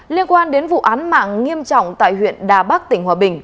liên quan đến vụ án mạng nghiêm trọng tại huyện đà bắc tỉnh hòa bình